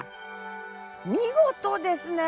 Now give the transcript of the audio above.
見事ですね！